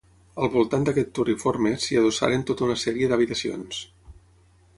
Al voltant d'aquest turriforme s'hi adossaren tota una sèrie d'habitacions.